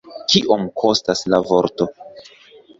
Kiom kostas la vorto?